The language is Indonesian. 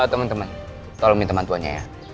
teman teman tolong minta bantuannya ya